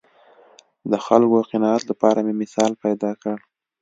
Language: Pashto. د خلکو قناعت لپاره مې مثال پیدا کړ